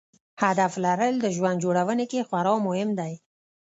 هدف لرل د ژوند جوړونې کې خورا مهم دی.